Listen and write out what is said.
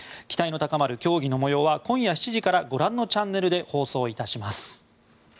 期待の高まる競技の模様は今夜７時からご覧のチャンネルで放送します。